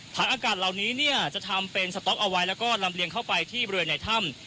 อากาศเหล่านี้เนี่ยจะทำเป็นสต๊อกเอาไว้แล้วก็ลำเลียงเข้าไปที่บริเวณในถ้ำ